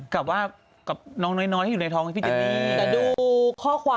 คุณแม่เข้าว่า